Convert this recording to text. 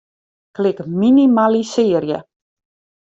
Klik Minimalisearje.